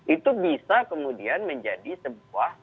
itu bisa kemudian menjadi sebuah